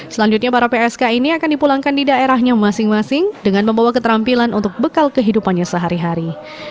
selanjutnya para psk ini akan dipulangkan di daerahnya masing masing dengan membawa keterampilan untuk bekal kehidupannya sehari hari